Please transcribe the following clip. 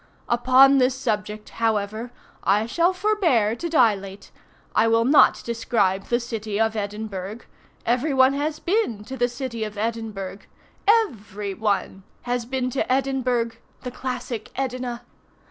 Upon this subject, however, I shall forbear to dilate. I will not describe the city of Edinburgh. Every one has been to the city of Edinburgh. Every one has been to Edinburgh—the classic Edina.